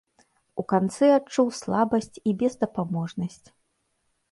У канцы адчуў слабасць і бездапаможнасць.